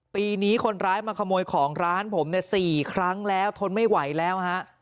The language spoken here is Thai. ปีนี้คนร้ายมาขโมยของร้านผมเนี่ย๔ครั้งแล้วทนไม่ไหวแล้วฮะ